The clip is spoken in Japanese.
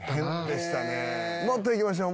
「もっといきましょう！